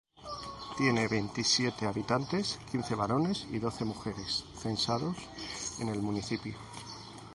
Tiene veintisiete habitantes, quince varones y doce mujeres censados en el municipio.